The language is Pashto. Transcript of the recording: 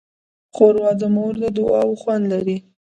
ښوروا د مور د دعا خوند لري.